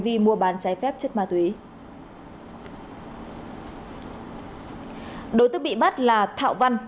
vi mua bán trái phép chất ma túy đối tượng bị bắt là thạo văn